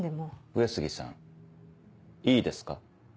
上杉さんいいですか。